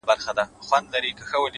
اوس په ځان پوهېږم چي مين يمه-